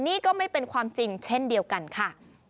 นี่ก็ไม่เป็นความจริงเช่นเดียวกันค่ะ